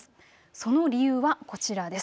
その理由はこちらです。